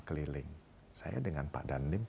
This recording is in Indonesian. keliling saya dengan pak dandim